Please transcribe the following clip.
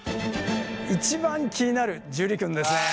一番気になる樹君ですね。